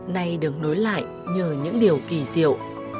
nay đứng nối lại nhờ những điều kỳ diệu